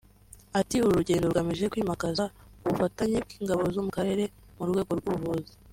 Ati” Uru rugendo rugamije kwimakaza ubufatanye bw’Ingabo zo mu Karere mu rwego rw’ubuvuzi